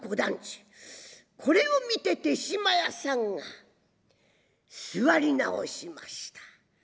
これを見て豊島屋さんが座り直しました。